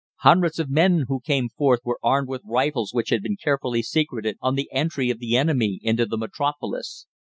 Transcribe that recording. Hundreds of men who came forth were armed with rifles which had been carefully secreted on the entry of the enemy into the Metropolis.